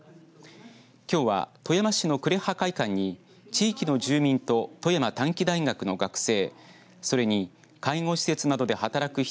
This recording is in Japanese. きょうは富山市の呉羽会館に地域の住民と富山短期大学の学生それに介護施設などで働く人